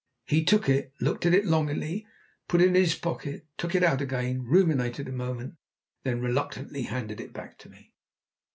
He took it, looked at it longingly, put it in his pocket, took it out again, ruminated a moment, and then reluctantly handed it back to me.